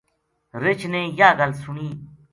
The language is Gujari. رچھ نے یاہ گل سنی